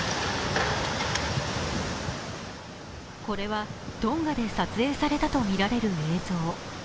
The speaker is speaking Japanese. これはトンガで撮影されたとみられる映像。